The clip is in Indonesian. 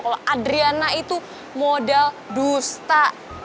kalo adriana itu modal dusta